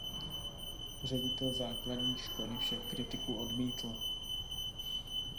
Ředitel základní školy však kritiku odmítl.